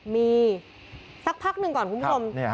มีสักพักหนึ่งก่อนคุณผู้ชมครับเนี่ยครับ